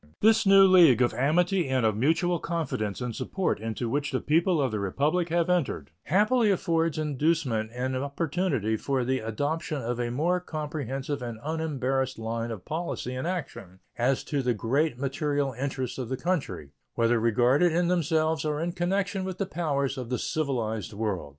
This new league of amity and of mutual confidence and support into which the people of the Republic have entered happily affords inducement and opportunity for the adoption of a more comprehensive and unembarrassed line of policy and action as to the great material interests of the country, whether regarded in themselves or in connection with the powers of the civilized world.